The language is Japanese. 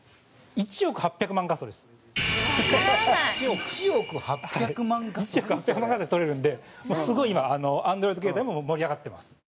１億８００万画素で撮れるのですごい、今アンドロイド携帯も盛り上がってます。